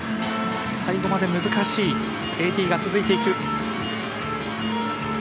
最後まで難しいＡＤが続いていく。